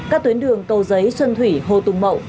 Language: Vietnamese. các tuyến đường cầu giấy xuân thủy hồ tùng mậu